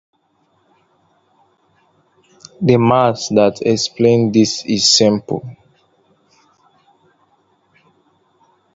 The math that explains this is simple.